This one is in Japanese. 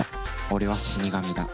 俺は死神だ。